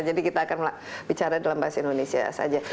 jadi kita akan bicara dalam bahasa indonesia saja